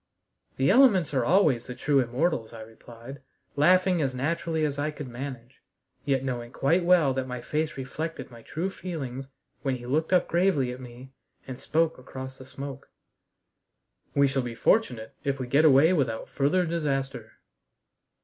"The elements are always the true immortals," I replied, laughing as naturally as I could manage, yet knowing quite well that my face reflected my true feelings when he looked up gravely at me and spoke across the smoke: "We shall be fortunate if we get away without further disaster."